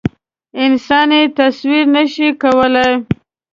انسان یې تصویر نه شي کولی.